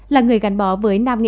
là người gắn bó với nam nghệ